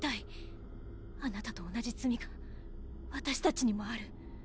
あなたと同じ罪が私たちにもある。